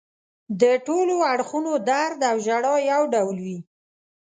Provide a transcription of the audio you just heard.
د ټولو اړخونو درد او ژړا یو ډول وي.